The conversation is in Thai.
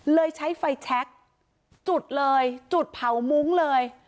ใช้ไฟแชคจุดเลยจุดเผามุ้งเลย